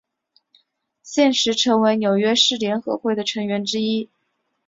现时陈为纽约市联合会的成员之一。